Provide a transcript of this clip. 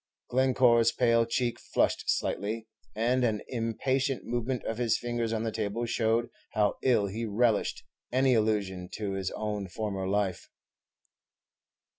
Glencore's pale cheek flushed slightly, and an impatient movement of his fingers on the table showed how ill he relished any allusion to his own former life.